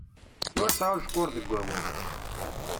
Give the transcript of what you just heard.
Ur sɛujqur deg awal.